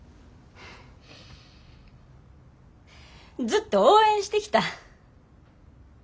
ずっと応援してきた。